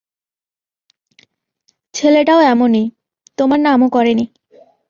ছেলেটাও এমনি, তোমার নামও করে নি।